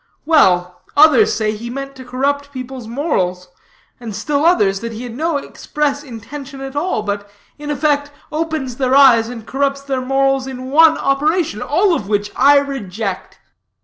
"Well, others say he meant to corrupt people's morals; and still others, that he had no express intention at all, but in effect opens their eyes and corrupts their morals in one operation. All of which I reject."